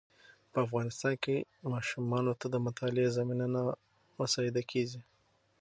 په افغانستان کې ماشومانو ته د مطالعې زمینه نه مساعده کېږي.